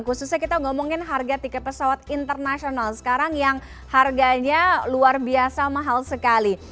khususnya kita ngomongin harga tiket pesawat internasional sekarang yang harganya luar biasa mahal sekali